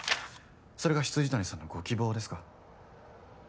それが未谷さんのご希望ですか？